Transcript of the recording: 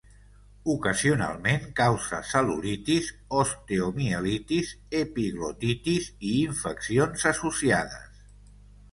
Ocasionalment causa cel·lulitis, osteomielitis, epiglotitis i infeccions associades.